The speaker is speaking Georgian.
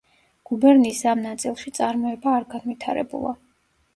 გუბერნიის ამ ნაწილში წარმოება არ განვითარებულა.